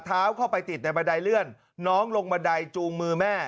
เข้าไปติดในบันไดเลื่อนน้องลงบันไดจูงมือแม่